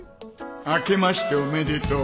「あけましておめでとう」